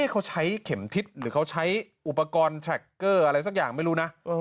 เขาใช้เข็มทิศหรือเขาใช้อุปกรณ์แทรคเกอร์อะไรสักอย่างไม่รู้นะ